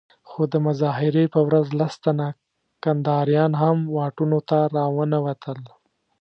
خو د مظاهرې په ورځ لس تنه کنداريان هم واټونو ته راونه وتل.